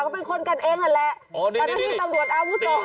ก็เป็นคนกันเองนั่นแหละตอนนั้นที่ตำรวจอาวุธสอง